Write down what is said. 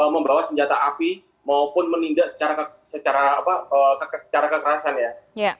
membawa senjata api maupun menindak secara kekerasan ya